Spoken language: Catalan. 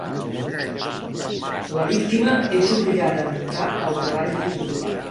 La víctima és obligada a muntar al cavall triangular.